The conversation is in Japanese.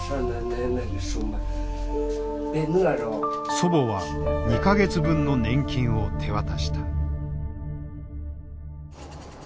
祖母は２か月分の年金を手渡した。